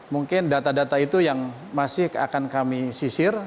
mungkin data data itu yang masih akan kami sisir